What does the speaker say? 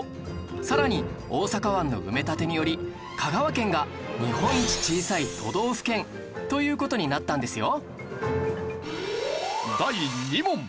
さらに大阪湾の埋め立てにより香川県が日本一小さい都道府県という事になったんですよ